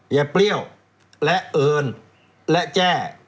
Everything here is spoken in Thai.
เปรี้ยวและเอิญและแจ้